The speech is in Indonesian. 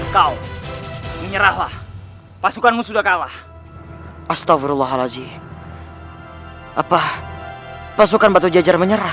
kau menyerahlah pasukanmu sudah kalah astagfirullahaladzim hai apa pasukan batu jajar menyerah